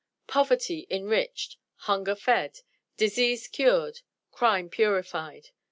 Poverty enriched. Hunger fed. Disease cured. Crime purified.